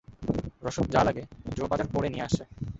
রসদ যা লাগে, জো বাজার করে নিয়ে আসে।